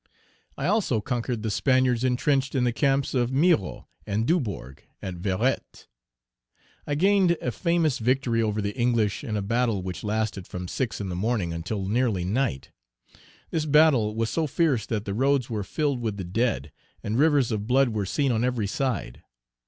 I also conquered the Spaniards intrenched in the camps of Miraut and Dubourg at Verrettes. I gained a famous victory over the English in a battle which lasted from six in the morning until nearly night. This battle was so fierce that the roads were filled with the dead, and rivers of blood were seen on every side.